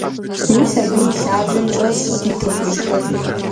Мис абы и лъабжьэм щӀэсщ ди дыгъужьхэр.